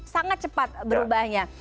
sangat cepat berubahnya